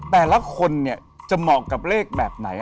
แต่ละคนเนี่ยจะเหมาะกับเลขแบบไหน